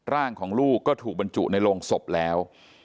ร่างของลูกก็ถูกบรรจุในโรงศพแล้ว